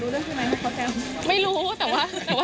แล้วไม่โกรธเรารู้เรื่องที่ไหนให้เขาแปลว่า